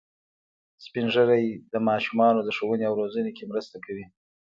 سپین ږیری د ماشومانو د ښوونې او روزنې کې مرسته کوي